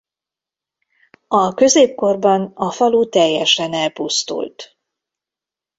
A középkorban a falu teljesen elpusztult.